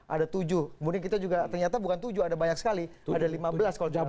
ada tujuh kemudian kita juga ternyata bukan tujuh ada banyak sekali ada lima belas kalau jawaban